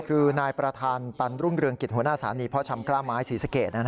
คือนายประธานตันรุ่งเรืองกิจหัวหน้าศาลีพ่อชำกล้าไม้ศรีสเกต